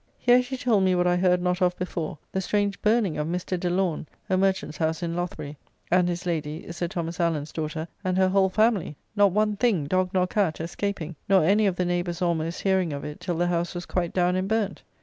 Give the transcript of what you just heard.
Here she told me what I heard not of before, the strange burning of Mr. De Laun, a merchant's house in Loathbury, and his lady (Sir Thomas Allen's daughter) and her whole family; not one thing, dog nor cat, escaping; nor any of the neighbours almost hearing of it till the house was quite down and burnt.